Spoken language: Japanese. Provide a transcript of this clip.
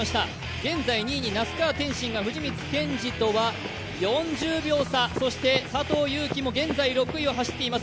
現在２位に那須川天心が藤光謙司とは４０秒差、そして佐藤悠基も現在６位を走っています。